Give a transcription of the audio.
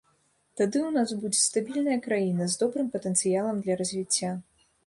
Тады ў нас будзе стабільная краіна з добрым патэнцыялам для развіцця.